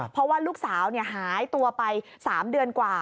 เพราะว่าลูกสาวหายตัวไป๓เดือนกว่า